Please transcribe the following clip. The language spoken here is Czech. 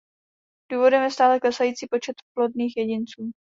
Důvodem je stále klesající počet plodných jedinců.